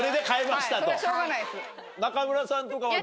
中村さんとかはどう？